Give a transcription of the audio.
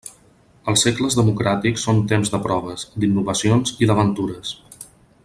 Els segles democràtics són temps de proves, d'innovacions i d'aventures.